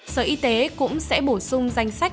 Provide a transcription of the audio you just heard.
sở y tế cũng sẽ bổ sung danh sách